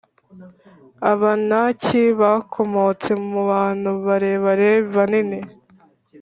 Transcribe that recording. Abanaki bakomotse mu Bantu barebare banini